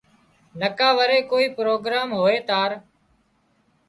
نڪا وري ڪوئي پروگران هوئي تار